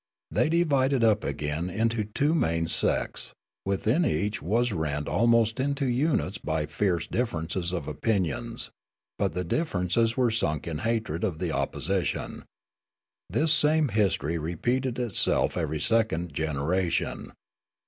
They divided up again into two main sects ; within, each was rent almost into units b}' fierce dififerences of opinions ; but the differences were sunk in hatred of the opposition. This same historj' re peated itself every second generation.